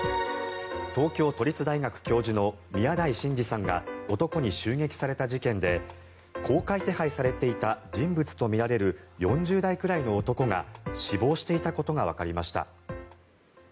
東京都立大学教授の宮台真司さんが男に襲撃された事件で公開手配されていた人物とみられる４０代くらいの男が死亡していたことがわかりました。